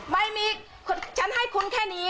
ไม่มีฉันให้คุณแค่นี้